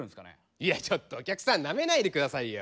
いやちょっとお客さんなめないで下さいよ。